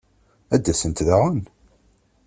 Ad d-asent daɣen?